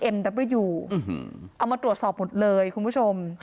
เอามาตรวจสอบหมดเลยคุณผู้ชม